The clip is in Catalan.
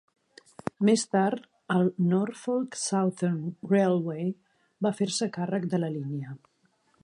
Més tard, el Norfolk Southern Railway va fer-se càrrec de la línia.